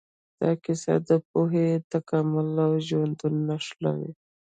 دا کیسه د پوهې، تکامل او ژونده نښلوي.